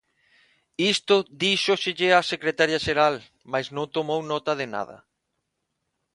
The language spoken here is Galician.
Isto díxoselle á secretaria xeral, mais non tomou nota de nada.